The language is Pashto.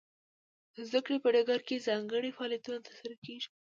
د زده کړې په ډګر کې ځانګړي فعالیتونه ترسره کیږي.